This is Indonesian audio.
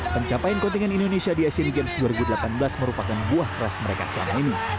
pencapaian kontingen indonesia di asian games dua ribu delapan belas merupakan buah keras mereka selama ini